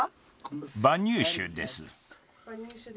馬乳酒です